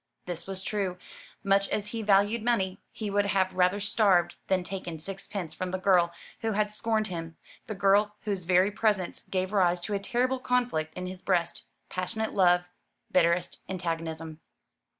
This was true. Much as he valued money, he would have rather starved than taken sixpence from the girl who had scorned him; the girl whose very presence gave rise to a terrible conflict in his breast passionate love, bitterest antagonism.